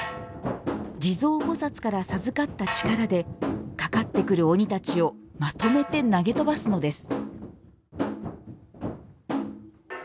地蔵菩薩から授かった力でかかってくる鬼たちをまとめて投げ飛ばすのです。